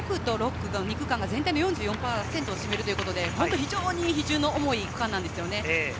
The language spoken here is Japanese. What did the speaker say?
５区と６区の２区間が全体の４４％を占めるということで、非常に比重の重い区間なんですね。